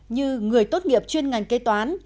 như người tốt nghiệp chuyên ngành kế toán